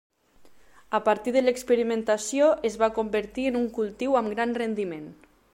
A partir de l'experimentació, es va convertir en un cultiu amb gran rendiment.